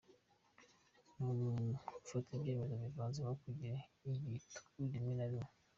Ni umuntu ufata ibyemezo bivanzemo kugira igitugu rimwe na rimwe.